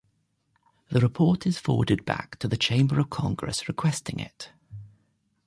The report is forwarded back to the chamber of Congress requesting it.